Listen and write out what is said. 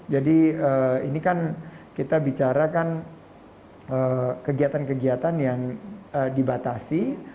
jadi ini kan kita bicara kan kegiatan kegiatan yang dibatasi